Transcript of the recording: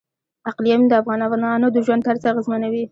اقلیم د افغانانو د ژوند طرز اغېزمنوي.